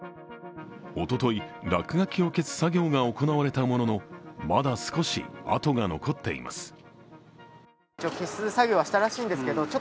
おととい、落書きを消す作業が行われたものの、まだ少し痕が残っています。